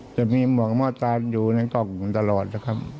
จะมีหมวกหม้อตานอยู่ในกล่องตลอดนะครับ